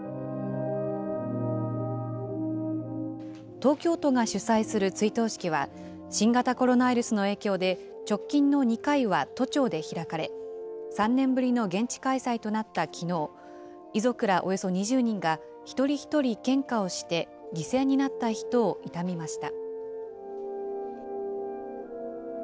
東京都が主催する追悼式は、新型コロナウイルスの影響で直近の２回は都庁で開かれ、３年ぶりの現地開催となったきのう、遺族らおよそ２０人が一人一人献花をして、犠牲になった人を悼みました。